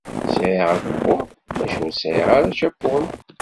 Sεiɣ akebbuḍ, maca ur sεiɣ ara acapun.